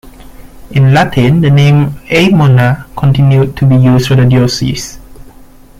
In Latin the name "Aemona" continued to be used for the diocese.